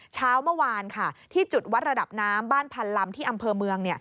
เช้าเมื่อวานค่ะที่จุดวัดระดับน้ำบ้านพันลำที่อำเภอเมือง